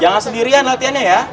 jangan sendirian latihannya ya